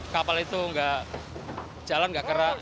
kapal itu jalan tidak kera